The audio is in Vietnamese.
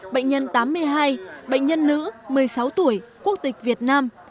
bệnh nhân tám mươi hai bệnh nhân nữ một mươi sáu tuổi quốc tịch việt nam